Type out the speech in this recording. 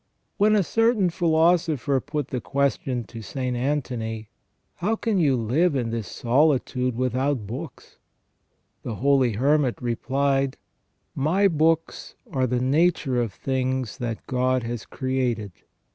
"* When a certain philosopher put the question to St. Antony : "How can you live in this solitude without books?" the holy hermit replied :" My books are the nature of things that God has created.